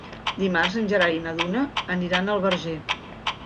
Dimarts en Gerard i na Duna aniran al Verger.